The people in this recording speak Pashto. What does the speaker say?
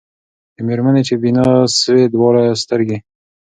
د مېرمني چي بینا سوې دواړي سترګي